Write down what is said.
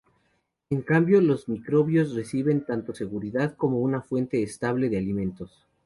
A cambio los microbios reciben tanto seguridad como una fuente estable de alimentos.